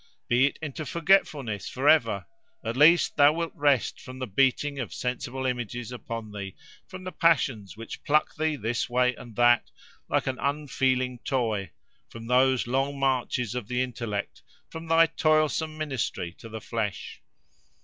Be it into forgetfulness for ever; at least thou wilt rest from the beating of sensible images upon thee, from the passions which pluck thee this way and that like an unfeeling toy, from those long marches of the intellect, from thy toilsome ministry to the flesh.